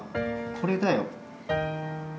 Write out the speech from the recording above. これだよ。